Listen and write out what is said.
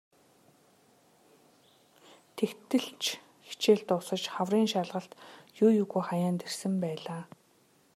Тэгтэл ч хичээл дуусаж хаврын шалгалт юу юугүй хаяанд ирсэн байлаа.